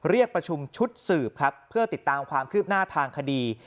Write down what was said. เรียกประชุมชุดสืบครับเพื่อติดตามความคืบหน้าทางคดี